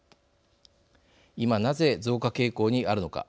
今、なぜ増加傾向にあるのか。